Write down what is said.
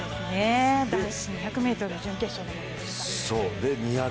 男子２００ｍの準決勝でした。